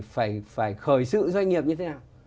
phải khởi sự doanh nghiệp như thế nào